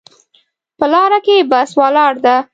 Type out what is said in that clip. په لاره کې بس ولاړ ده